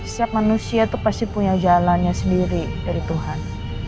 setiap manusia itu pasti punya jalannya sendiri dari tuhan